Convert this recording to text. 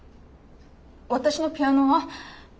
私のピアノは？